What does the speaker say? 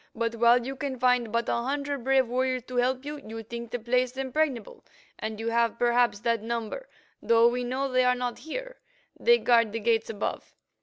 But while you can find but a hundred brave warriors to help you, you think the place impregnable, and you have perhaps that number, though we know they are not here; they guard the gates above.